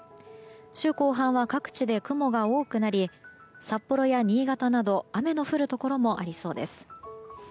週後半は各地で雲が多くなり札幌や新潟など雨の降るところもありそうです。